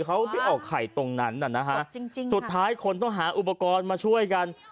เขายังไงพี่ออกไข่ตรงนั้นน่ะสุดท้ายคนต้องหาอุปกรณ์มาช่วยกัน